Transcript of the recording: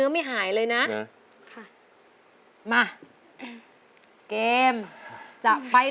ไม่ในใจ